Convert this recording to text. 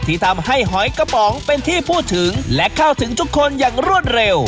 ที่ทำให้หอยกระป๋องเป็นที่พูดถึงและเข้าถึงทุกคนอย่างรวดเร็ว